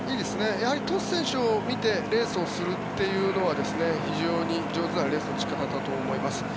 やはりトス選手を見てレースをするというのは非常に上手なレースの進め方だと思います。